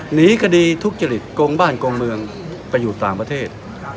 หนีคดีทุจริตโกงบ้านโกงเมืองไปอยู่ต่างประเทศ